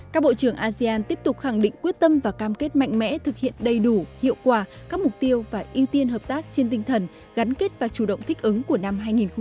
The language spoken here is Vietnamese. các bộ trưởng asean tiếp tục khẳng định quyết tâm và cam kết mạnh mẽ thực hiện đầy đủ hiệu quả các mục tiêu và ưu tiên hợp tác trên tinh thần gắn kết và chủ động thích ứng của năm hai nghìn hai mươi